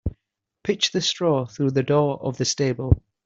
Pitch the straw through the door of the stable.